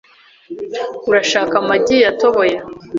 Urashaka amagi yatoboye?